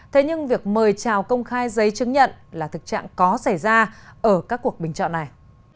thế nhưng việc mời trào công khai giấy chứng nhận là thực trạng có xảy ra ở các cuộc bình chọn này